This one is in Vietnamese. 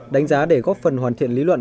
đánh giá để góp phần hoàn thiện lý luận